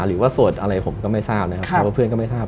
สวดอะไรผมก็ไม่ทราบนะครับเพราะว่าเพื่อนก็ไม่ทราบ